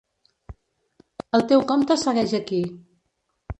El teu compte segueix aquí.